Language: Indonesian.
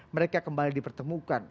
mereka kembali dipertemukan